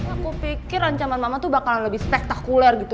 aku pikir ancaman mama tuh bakalan lebih spektakuler gitu